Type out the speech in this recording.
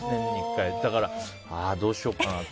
だから、どうしようかなって。